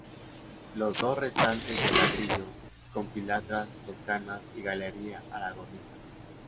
Los dos restantes de ladrillo, con pilastras toscanas y galería aragonesa.